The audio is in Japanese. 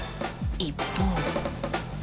一方。